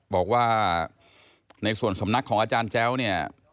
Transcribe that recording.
บอกว่าในส่วนสำนักของอาจารย์แจ้วเนี่ย